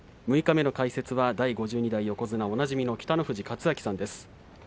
六日目の解説は第５２代横綱おなじみの北の富士勝昭さんです。